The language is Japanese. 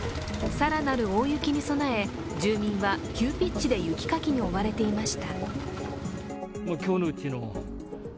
更なる大雪に備え住人は急ピッチで雪かきに追われていました。